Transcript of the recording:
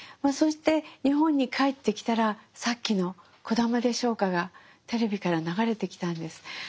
そして日本に帰ってきたらさっきの「こだまでしょうか」がテレビから流れてきたんです。